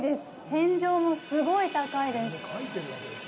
天井も、すごい高いです。